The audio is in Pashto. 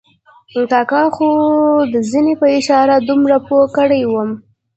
کاکا خو د زنې په اشاره دومره پوه کړی وم.